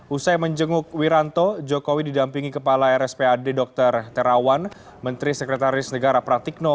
usai menjenguk wiranto jokowi didampingi kepala rspad dr terawan menteri sekretaris negara pratikno